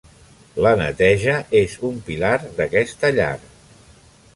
La neteja és un pilar d'aquesta llar.